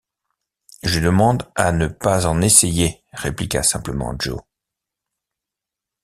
Je demande à ne pas en essayer, répliqua simplement Joe.